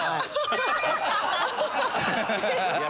ハハハハ！